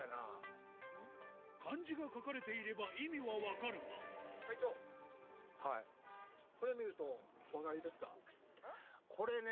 漢字が書かれていれば意味は分かるがこれね